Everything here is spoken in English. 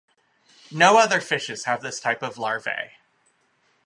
No other fishes have this type of larvae.